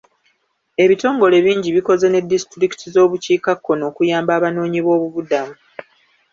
Ebitongole bingi bikoze ne disitulikiti z'obukiikakkono okuyamba abanoonyiboobubudamu.